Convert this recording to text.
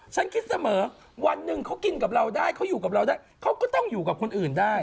ฉันคิดเสมอวันหนึ่งเขากินกับเราได้เขาอย่างนั้นก็อยู่กับเราต้องอยู่กับคนอื่นได้